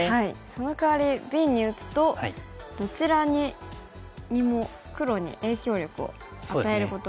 そのかわりＢに打つとどちらにも黒に影響力を与えることができますね。